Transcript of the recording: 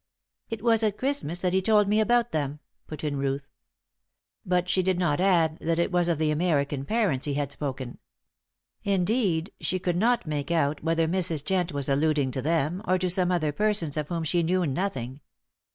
"It was at Christmas that he told me about them," put in Ruth. But she did not add that it was of the American parents he had spoken. Indeed, she could not make out whether Mrs. Jent was alluding to them or to some other persons of whom she knew nothing.